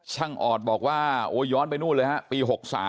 ช่างออดบอกว่าย้อนไปนู่นเลยฮะปี๖๓